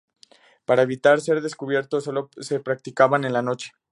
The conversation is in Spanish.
Para evitar ser descubierto sólo se practicaba en la noche.